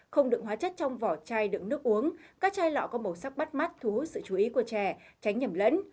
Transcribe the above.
không đựng hóa chất trong vỏ chai đựng nước uống các chai lọ có màu sắc bắt mắt thu hút sự chú ý của trẻ tránh nhầm lẫn